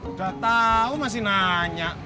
udah tau masih nanya